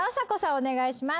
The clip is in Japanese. お願いします。